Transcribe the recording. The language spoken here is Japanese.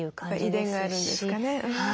遺伝があるんですかね。